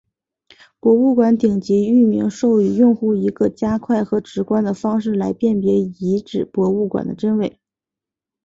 博物馆顶级域名授予用户一个快速和直观的方式来辨别遗址博物馆的真伪。